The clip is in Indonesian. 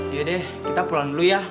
yaudah deh kita pulang dulu ya